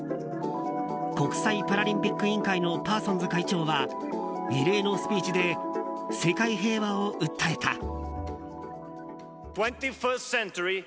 国際パラリンピック委員会のパーソンズ会長は異例のスピーチで世界平和を訴えた。